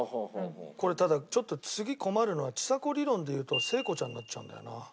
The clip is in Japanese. これただちょっと次困るのはちさ子理論でいうと聖子ちゃんになっちゃうんだよな。